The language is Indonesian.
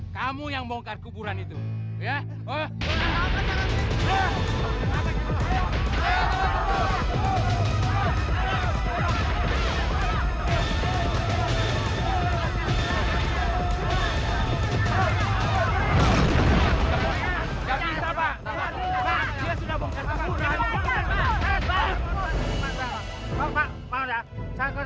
bapak telah membukar kuburan yang selama ini saya cari cari